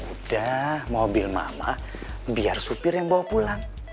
udah mobil mama biar supir yang bawa pulang